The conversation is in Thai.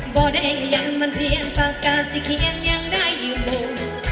บ่ได้ยังมันเพียงปากกาศิเขียนยังได้อยู่มุ่ง